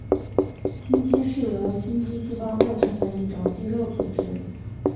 心肌是由心肌细胞构成的一种肌肉组织。